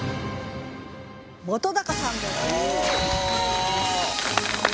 本さんです！